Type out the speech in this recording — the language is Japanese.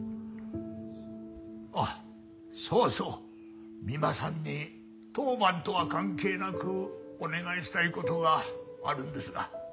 あっそうそう三馬さんに当番とは関係なくお願いしたい事があるんですが。